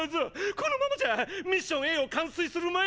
このままじゃミッションＡを完遂する前に！